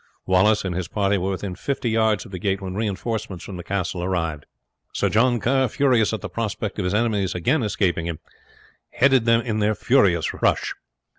Wallace and his party were within fifty yards of the gate when reinforcements from the castle arrived. Sir John Kerr, furious at the prospect of his enemies again escaping him, headed them in their furious rush.